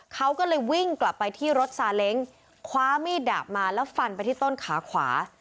เขาก็เลยวิ่งกลับไปที่รถซาเล้งคว้ามีดดาบมาแล้วฟันไปที่ต้นขาขวา